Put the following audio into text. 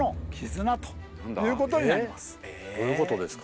どういうことですか？